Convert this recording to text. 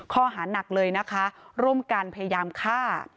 ข้อหานักเลยนะคะร่วมกันพยายามฆ่า